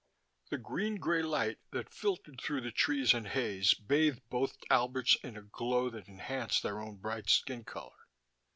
The green gray light that filtered through the trees and haze bathed both Alberts in a glow that enhanced their own bright skin color.